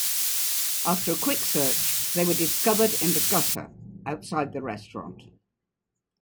After a quick search, they were discovered in the gutter outside the restaurant.